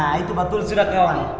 nah itu pak tuli sudah kewan